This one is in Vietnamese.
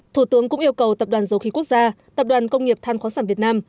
thủ tướng cũng yêu cầu tập đoàn dầu khí quốc gia tập đoàn công nghiệp than khoáng sản việt nam